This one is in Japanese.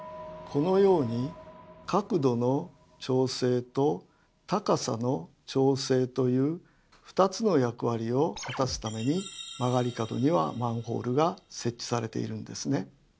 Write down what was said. このように角度の調整と高さの調整という２つの役割を果たすために曲がり角にはマンホールが設置されているんですね。